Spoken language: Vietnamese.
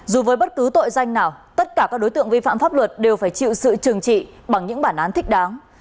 dù với bất cứ tội danh nào tất cả các đối tượng vi phạm pháp luật đều phải chịu sự trừng trị bằng những bản án thích đáng